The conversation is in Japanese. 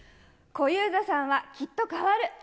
小遊三さんはきっと変わる。